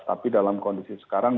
tapi dalam kondisi sekarang